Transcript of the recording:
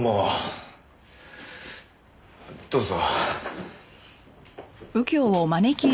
どうぞ。